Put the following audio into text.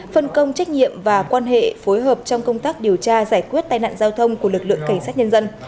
phân công trách nhiệm và quan hệ phối hợp trong công tác điều tra giải quyết tai nạn giao thông của lực lượng cảnh sát nhân dân